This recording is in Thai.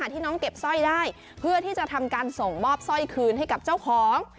ที่น้องเก็บสร้อยได้เพื่อที่จะทำการส่งมอบสร้อยคืนให้กับเจ้าของ